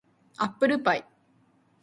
アップルパイ